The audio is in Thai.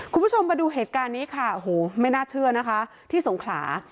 คุณผู้ชมมาดูเหตุการณ์นี้ค่ะโอ้โหไม่น่าเชื่อนะคะที่สงขลา